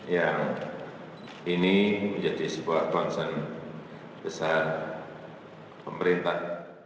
yang ini menjadi sebuah concern besar pemerintah